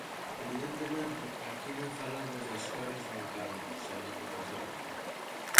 Evidentemente, aquí non falamos das cores dun cadro, senón de persoas.